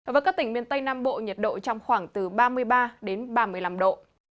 và các tỉnh miền tây nam bộ nhiệt độ trong khoảng từ ba mươi ba đến ba mươi năm độ